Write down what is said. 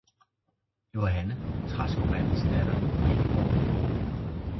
Johanne, træskomandens datter, var ikke borte.